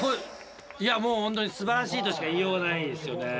いやもう本当にすばらしいとしか言いようがないですよね。